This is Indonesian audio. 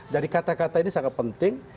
jadi kata kata ini sangat penting